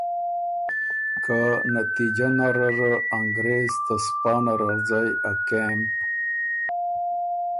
که نتیجه نره ره انګرېز ته سپانه رغزئ ا کېمپ